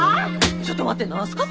ちょっと待って何すか？